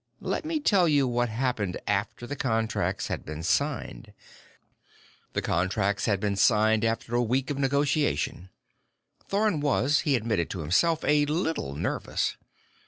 "Let me tell you what happened after the contracts had been signed "... The contracts had been signed after a week of negotiation. Thorn was, he admitted to himself, a little nervous.